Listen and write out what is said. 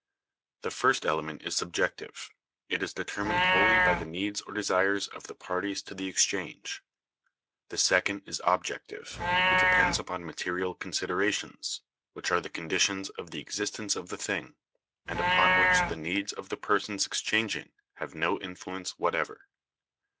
The first element is subjective; it is determined wholly by the needs or desires of the parties to the exchange. The second is objective; it depends upon material considerations, which are the conditions of the existence of the thing, and upon which the needs of the persons exchanging have no influence whatever."